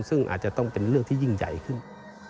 ซึ่งอาจจะต้องเป็นเรื่องที่ยิ่งใหญ่ขึ้น